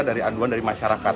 dari aduan dari masyarakat